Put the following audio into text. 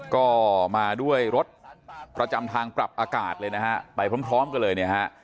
ก็มาด้วยรถประจำทางปรับอากาศเลยนะฮะไปพร้อมกันเลยเนี่ยฮะ